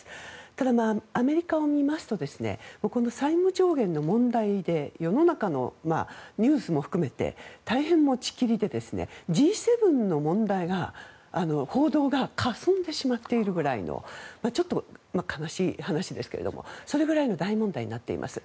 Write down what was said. ただ、アメリカを見ますとこの債務上限の問題で世の中のニュースも含めて大変持ち切りでＧ７の報道がかすんでしまっているぐらいのちょっと悲しい話ですけどもそれぐらいの大問題になっています。